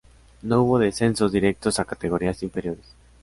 No hubo descensos directos a categorías inferiores.